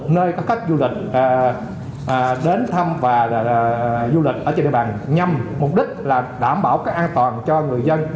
nơi có khách du lịch đến thăm và du lịch ở trên địa bàn nhằm mục đích là đảm bảo cái an toàn cho người dân